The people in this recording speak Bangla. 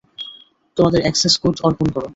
তোমাদের এক্সেস কোড অর্পণ করো।